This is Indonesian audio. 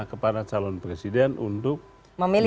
kepada calon presiden untuk memilih